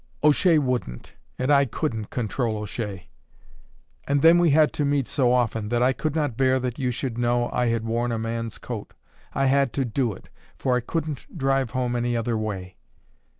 "O'Shea wouldn't; and I couldn't control O'Shea. And then we had to meet so often, that I could not bear that you should know I had worn a man's coat. I had to do it, for I couldn't drive home any other way."